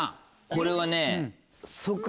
これはね。